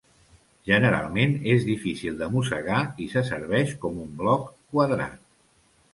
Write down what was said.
Generalment és difícil de mossegar i se serveix com un bloc quadrat.